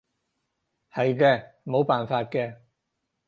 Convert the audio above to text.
係嘅，冇辦法嘅